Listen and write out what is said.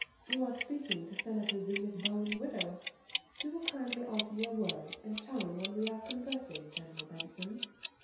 "You are speaking to Senator Zenas Bowen's widow. You will kindly alter your words and tone when we are conversing, General Benson."